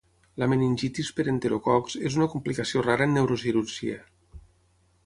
La meningitis per enterococs és una complicació rara en neurocirurgia.